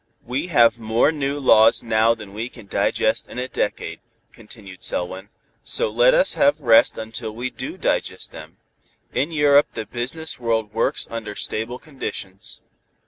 "We have more new laws now than we can digest in a decade," continued Selwyn, "so let us have rest until we do digest them. In Europe the business world works under stable conditions.